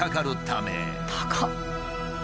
高っ！